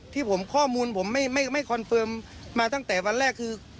ที่ผมข้อมูลผมไม่คอนเฟิร์มมาตั้งแต่วันแรกคือ